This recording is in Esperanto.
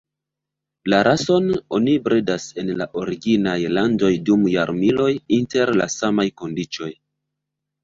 La rason oni bredas en la originaj landoj dum jarmiloj inter la samaj kondiĉoj.